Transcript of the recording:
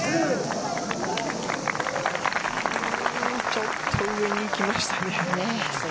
ちょっと上にいきましたね。